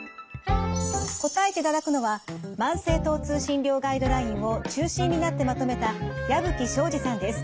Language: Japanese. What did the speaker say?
答えていただくのは慢性疼痛診療ガイドラインを中心になってまとめた矢吹省司さんです。